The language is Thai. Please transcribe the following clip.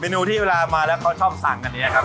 นูที่เวลามาแล้วเขาชอบสั่งอันนี้ครับ